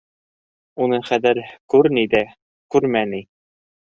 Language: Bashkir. Уны хәҙер күр ни ҙә, күрмә ни...